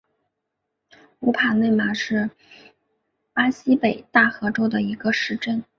乌帕内马是巴西北大河州的一个市镇。